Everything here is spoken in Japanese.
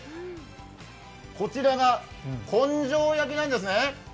こちらが、こんじょう焼きなんですね。